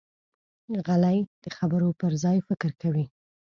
غلی، د خبرو پر ځای فکر کوي.